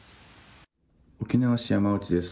沖縄市山内です。